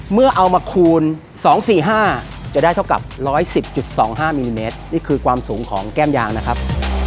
เมื่อเอามาคูณสองสี่ห้าจะได้เท่ากับร้อยสิบจุดสองห้ามิลลิเมตรนี่คือกวามสูงของแก้มยางนะครับ